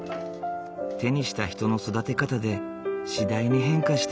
手にした人の育て方で次第に変化していく。